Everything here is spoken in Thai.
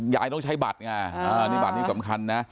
ยายต้องใช้บัตรนี้สำคัญนะ